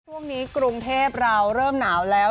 กรุงเทพเราเริ่มหนาวแล้ว